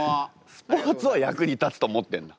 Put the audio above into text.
スポーツは役に立つと思ってんだ？